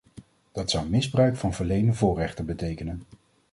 Dat zou misbruik van verleende voorrechten betekenen.